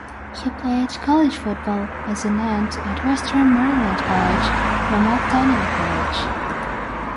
He played college football as an end at Western Maryland College, now McDaniel College.